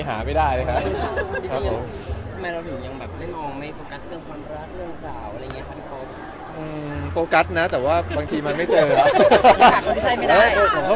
หาใครที่เป็นตัวจริงทำไมไม่ก็ได้ผิดหรืออะไรอย่างกัน